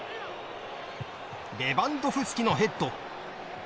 レバンドフスキのヘッド。